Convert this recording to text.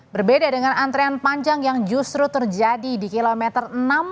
berbeda dengan antrean panjang yang justru terjadi di kilometer enam puluh